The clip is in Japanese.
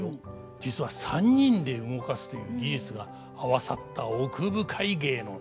実は３人で動かすという技術が合わさった奥深い芸能なんです。